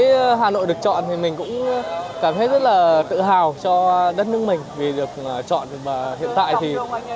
khi hà nội được chọn thì mình cũng cảm thấy rất là tự hào cho đất nước mình vì được chọn và hiện tại thì